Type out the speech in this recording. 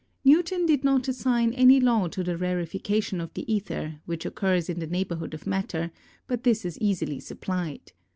Newton did not assign any law to the rarefaction of the aether, which occurs in the neighbourhood of matter, but this is easily supplied.